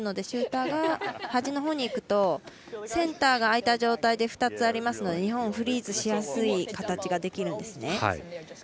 シューターが端のほうに行くとセンターが空いた状態で２つありますので日本、フリーズしやすい形ができるんですね。